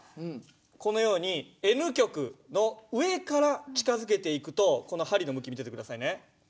このようにＮ極の上から近づけていくとこの針の向き見てて下さいね。